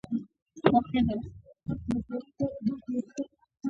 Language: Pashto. • ژوند یو شان نه دی، خو موږ کولی شو مثبتې شیبې پیدا کړو.